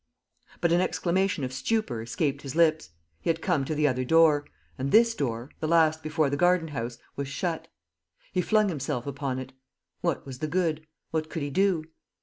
But an exclamation of stupor escaped his lips; he had come to the other door; and this door, the last before the garden house, was shut. He flung himself upon it. What was the good? What could he do?